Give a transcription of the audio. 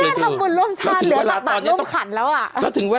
เนี่ยทำบุญร่วมชาติเหลือจากบัตรร่วมขันแล้วอ่ะ